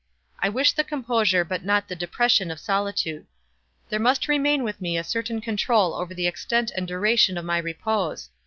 I wish the composure but not the depression of solitude. There must remain with me a certain control over the extent and duration of my repose.